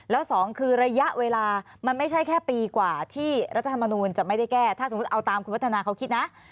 แล้วสองคือระยะเวลามันไม่ใช่แค่ปีกว่าที่รัฐธรรมนูลจะไม่ได้แก้ถ้าสมมุติเอาตามคุณวัฒนาเขาคิดนะ